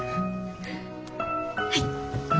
はい。